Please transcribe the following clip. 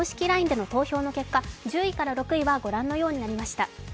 ＬＩＮＥでの投票の結果１０位から６位は御覧のようになりました。